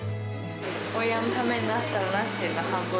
親のためになったらなっていうのが半分。